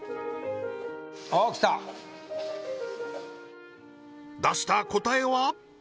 あっ来た出した答えは？